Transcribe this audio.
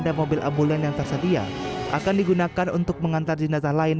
dan mobil ambulan yang tersedia akan digunakan untuk mengantar jenazah lain